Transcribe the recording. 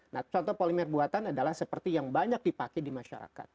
nah contoh polimer buatan adalah seperti yang banyak dipakai di masyarakat